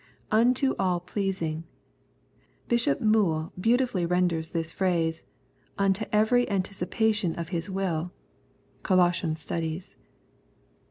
" Unto all pleasing:' Bishop Moule beautifully renders this phrase :" Unto every anticipation of His will " (Colossian Studies).